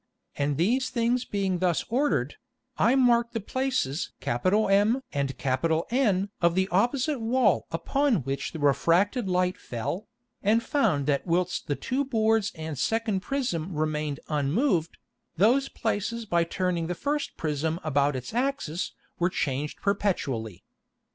And these things being thus ordered, I marked the places M and N of the opposite Wall upon which the refracted Light fell, and found that whilst the two Boards and second Prism remained unmoved, those places by turning the first Prism about its Axis were changed perpetually.